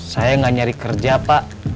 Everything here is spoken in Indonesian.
saya nggak nyari kerja pak